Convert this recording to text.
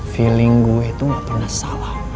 feeling gue itu gak pernah salah